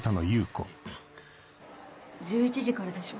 １１時からでしょ？